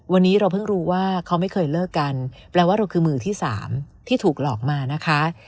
วันนี้เราเพิ่งรู้ว่าเขาไม่เคยเลิกกันแปลว่าเราคือมือที่สามที่ถูกหลอกมานะคะ